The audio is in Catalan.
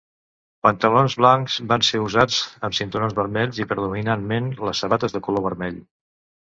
Pantalons blancs van ser usats amb cinturons vermells i predominantment les sabates de color vermell.